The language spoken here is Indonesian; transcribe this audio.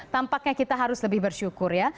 tampaknya kita harus lebih bersyukur ya